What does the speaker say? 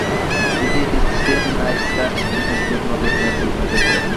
তিনি সিরেনাইকার স্বাধীনতার জন্য আলোচনায় অতিবাহিত করেন।